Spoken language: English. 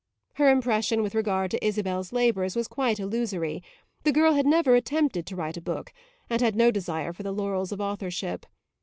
Her impression with regard to Isabel's labours was quite illusory; the girl had never attempted to write a book and had no desire for the laurels of authorship.